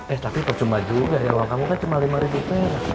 eh tapi percuma juga ya uang kamu kan cuma lima ribu per